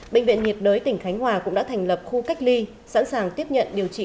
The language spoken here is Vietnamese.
bệnh viện nhiệt đới tỉnh khánh hòa cũng đã thành lập khu cách ly sẵn sàng tiếp nhận điều trị